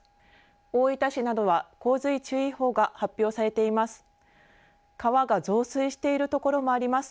大分市などは洪水注意報が発表されています。